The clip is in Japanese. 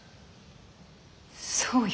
そうよ。